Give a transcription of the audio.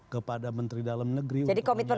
kepada menteri dalam negeri jadi komitmen